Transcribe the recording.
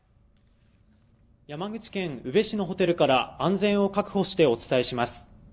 山口県宇部市のホテルから安全を確保してお伝えします